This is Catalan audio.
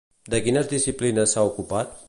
De quines disciplines s'ha ocupat?